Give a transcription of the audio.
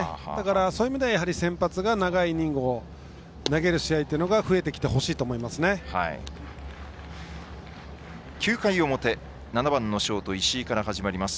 そういう意味では先発が長いイニングを投げる試合が増えてきてほしいと９回表、７番のショート石井から始まります。